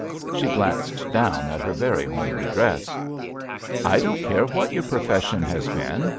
She glanced down at her very homely dress. "I don't care what your profession has been.